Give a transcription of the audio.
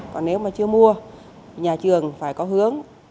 còn nếu mà chưa mua nhà trường phải có hướng